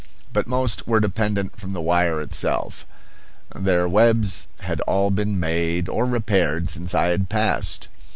But most were dependent from the wire itself. Their webs had all been made or repaired since I had passed.